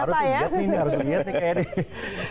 harus ingat nih harus lihat nih kayaknya